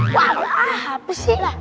wah apa sih